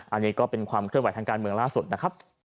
อันนี้ก็เป็นความเคลื่อนไหวทางการเมืองล่าสุดนะครับ